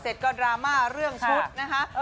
ซึ่งก็โดดราม่าเรื่องชุด